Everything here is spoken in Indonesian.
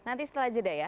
nanti setelah jeda ya